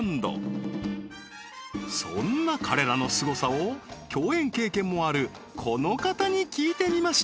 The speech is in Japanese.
そんな彼らのすごさを共演経験もあるこの方に聞いてみました